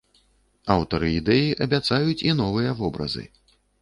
Аўтары ідэі абяцаюць і новыя вобразы.